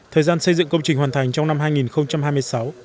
thời gian xây dựng công trình hoàn thành trong năm hai nghìn hai mươi sáu